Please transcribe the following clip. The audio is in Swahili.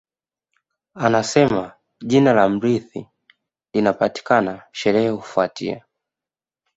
Anasema jina la mrithi likipatikana sherehe hufuatia